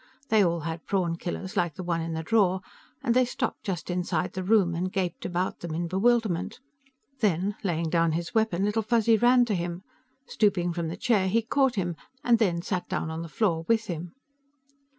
They all had prawn killers like the one in the drawer, and they stopped just inside the room and gaped about them in bewilderment. Then, laying down his weapon, Little Fuzzy ran to him; stooping from the chair, he caught him and then sat down on the floor with him.